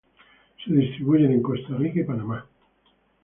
Se distribuyen en Costa Rica y Panamá.